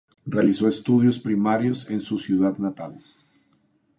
Realizó estudios primarios en su ciudad natal.